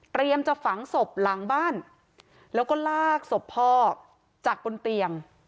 จะฝังศพหลังบ้านแล้วก็ลากศพพ่อจากบนเตียง